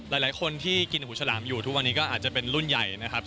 หลายคนที่กินหมูฉลามอยู่ทุกวันนี้ก็อาจจะเป็นรุ่นใหญ่นะครับ